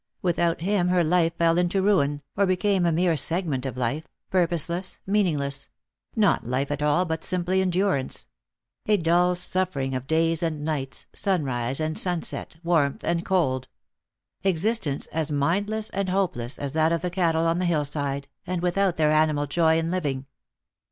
Without him her life fell into ruin, or became a mere segment of life, purposeless, meaningless; not life at all, but simply endurance; a dull suffering of days and nights, sunrise and sunset, warmth and cold; existence as mindless and hopeless as that of the cattle on the hill side, and without their animal joy in living.